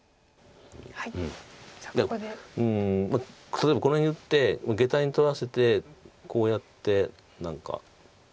例えばこの辺に打ってゲタに取らせてこうやって何か。